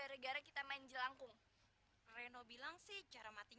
regan tinggal aku sendirian